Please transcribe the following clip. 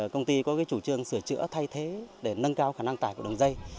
công ty có chủ trương sửa chữa thay thế để nâng cao khả năng tải của đường dây